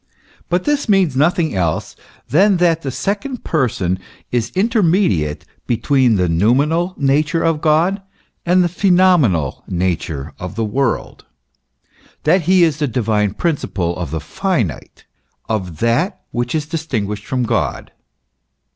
But this means nothing else than that the second Person is inter mediate between the noumenal nature of God and the phenomenal nature of the world, that he is the divine principle of the finite, of that which is distinguished from God.